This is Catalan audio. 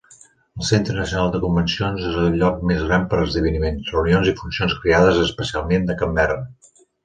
El Centre nacional de Convencions és el lloc més gran per a esdeveniments, reunions i funcions creades especialment de Canberra.